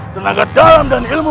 tenaga dalam dan ilmu